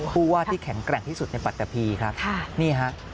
ผู้ว่าที่แข็งแกร่งที่สุดในปัตตะพีครับนี่ฮะ